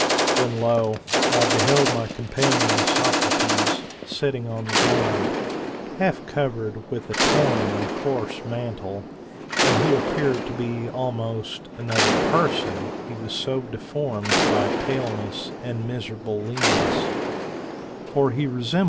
When, lo I I beheld my companion Socrates, sitting on the ground, half covered with a torn and coarse mantle, and who appeared to be almost another person, he was so deformed by paleness and miserable leanness; for he resembled one of * 6 I.